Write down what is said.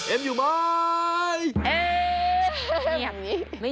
เอ็มอยู่มั้ย